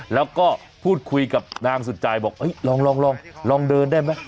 แล้วก็พูดคุยกับนางสุดใจบอกลองเดินได้ไหม